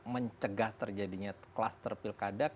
mencegah terjadinya kluster pilkada